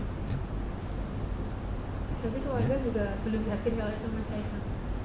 tapi keluarga juga belum yakin kalau itu mas gaisang